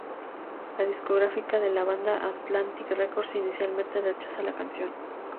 La discográfica de la banda Atlantic Records inicialmente rechaza la canción.